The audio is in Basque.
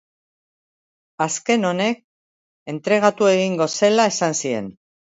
Azken honek entregatu egingo zela esan zien.